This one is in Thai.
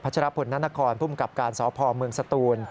พัชรพนธ์นานคอนพุ่มกับการสอพอมเมืองสตูน